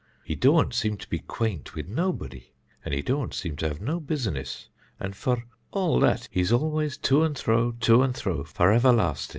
He dȯȧnt seem to be quaint with nobody, and he dȯȧnt seem to have no business, and for all that he's always to and thro', to and thro', for everlastin'."